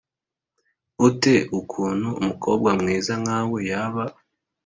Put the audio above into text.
ute ukuntu umukobwa mwiza nkawe yaba